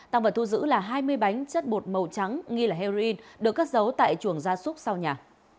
tăng vật thu giữ là hai mươi bánh chất bột màu trắng nghi là heroin được cất giấu tại chuồng gia súc sau nhà